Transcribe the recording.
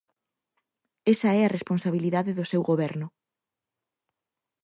Esa é a responsabilidade do seu Goberno.